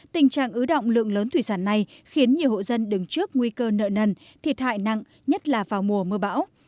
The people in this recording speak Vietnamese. tình trạng ứ động lượng lớn thủy sản này khiến nhiều hộ dân đứng trước nguy cơ nợ nần thiệt hại nặng nhất là vào mùa mưa bão